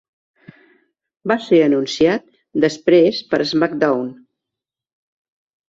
Va ser anunciat després per SmackDown!